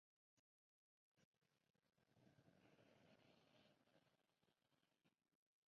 La Cordillera del Cóndor sirve como delimitación entre los dos países.